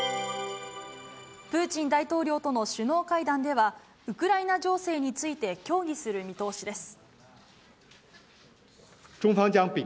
プーチン大統領との首脳会談では、ウクライナ情勢について協議する見通しです。